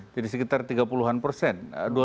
jadi sekitar tiga puluh an persen